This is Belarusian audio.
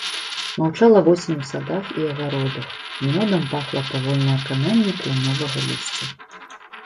Маўчала восень у садах і агародах, мёдам пахла павольнае кананне кляновага лісця.